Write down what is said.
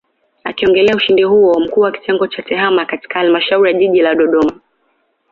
Akiongelea ushindi huo Mkuu wa Kitengo cha Tehama katika Halmashauri ya Jiji la Dodoma